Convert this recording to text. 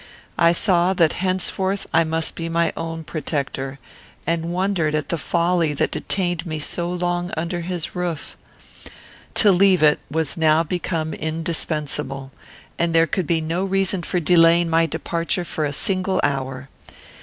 I saw that henceforth I must be my own protector, and wondered at the folly that detained me so long under his roof. To leave it was now become indispensable, and there could be no reason for delaying my departure for a single hour.